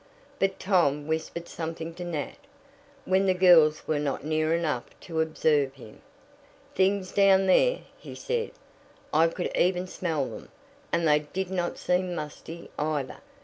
But Tom whispered something to Nat when the girls were not near enough to observe him. "Things down there!" he said. "I could even smell them, and they did not seem musty, either.